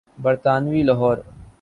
برطانوی لاہور۔